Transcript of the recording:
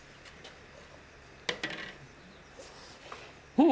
うん！